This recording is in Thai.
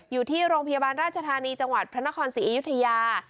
อยู่ที่โรงพยาบาลราชธานีจังหวัดพระนครศรีอยุธยา